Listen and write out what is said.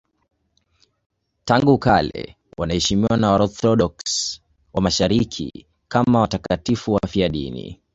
Tangu kale wanaheshimiwa na Waorthodoksi wa Mashariki kama watakatifu wafiadini.